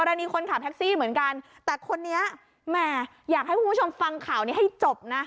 อันนี้คนขับแท็กซี่เหมือนกันแต่คนนี้แหมอยากให้คุณผู้ชมฟังข่าวนี้ให้จบนะ